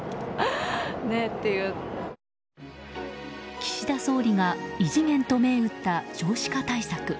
岸田総理が異次元と銘打った少子化対策。